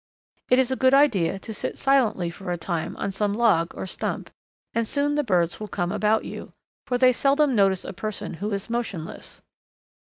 It is a good idea to sit silently for a time on some log or stump, and soon the birds will come about you, for they seldom notice a person who is motionless.